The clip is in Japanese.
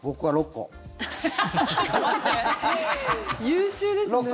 優秀ですね。